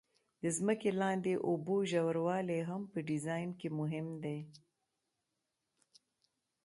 د ځمکې لاندې اوبو ژوروالی هم په ډیزاین کې مهم دی